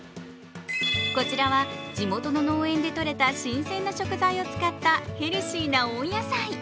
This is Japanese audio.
こちらは、地元の農園でとれた新鮮な食材を使ったヘルシーな温野菜。